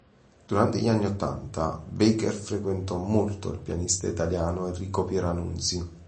Durante gli anni ottanta Baker frequentò molto il pianista italiano Enrico Pieranunzi.